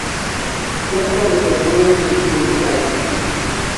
Champaner is a World Heritage Site.